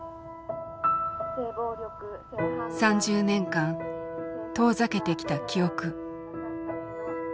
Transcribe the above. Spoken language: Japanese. ３０年間遠ざけてきた記憶。